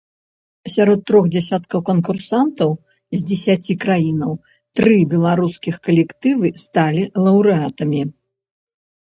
Сярод трох дзесяткаў канкурсантаў з дзесяці краінаў тры беларускіх калектывы сталі лаўрэатамі.